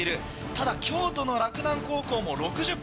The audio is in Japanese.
ただ京都の洛南高校も６０ポイント。